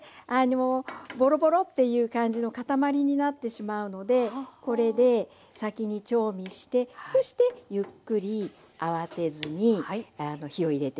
ぼろぼろっていう感じの固まりになってしまうのでこれで先に調味してそしてゆっくり慌てずに火を入れていきます。